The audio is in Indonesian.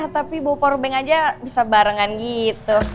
tapi bawa powerbank aja bisa barengan gitu